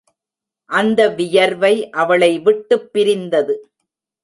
அந்த வியர்வை அவளை விட்டுப் பிரிந்தது.